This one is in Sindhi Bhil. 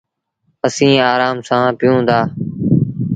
اسيٚݩ آرآم سآݩ پيٚئون دآ۔